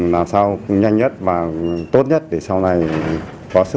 làm sao nhanh nhất và tốt nhất để sau này có sức khỏe để tham gia